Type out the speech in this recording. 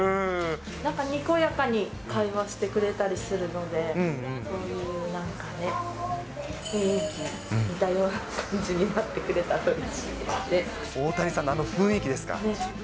なんかにこやかに会話してくれたりするので、そういうなんかね、雰囲気、似たような感じになってくれたら大谷さんのあの雰囲気ですか。